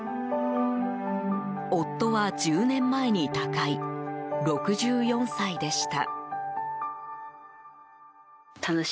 夫は１０年前に他界６４歳でした。